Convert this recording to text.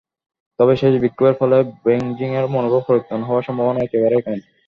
তবে সেই বিক্ষোভের ফলে বেইজিংয়ের মনোভাব পরিবর্তন হওয়ার সম্ভাবনা একেবারেই কম।